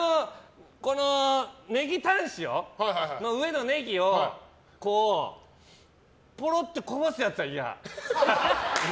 ネギタン塩の上のネギをポロってこぼすやつは嫌。